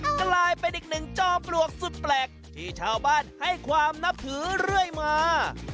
กลายเป็นอีกหนึ่งจอมปลวกสุดแปลกที่ชาวบ้านให้ความนับถือเรื่อยมา